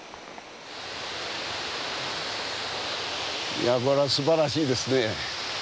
いやこれはすばらしいですね。